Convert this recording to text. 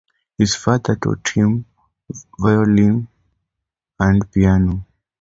His father taught him violin and piano.